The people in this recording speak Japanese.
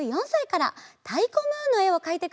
「たいこムーン」のえをかいてくれました。